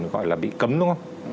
gọi là bị cấm đúng không